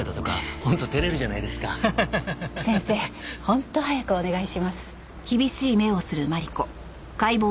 本当早くお願いします。